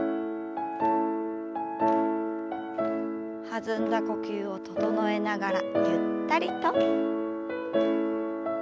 弾んだ呼吸を整えながらゆったりと。